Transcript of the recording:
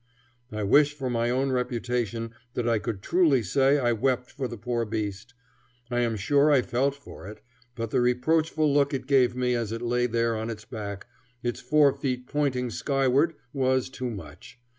I wish for my own reputation that I could truly say I wept for the poor beast. I am sure I felt for it, but the reproachful look it gave me as it lay there on its back, its four feet pointing skyward, was too much.